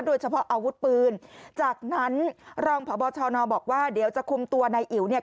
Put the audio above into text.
โดยเฉพาะอาวุธปืนจากนั้นรองพบชนบอกว่าเดี๋ยวจะคุมตัวนายอิ๋วเนี่ย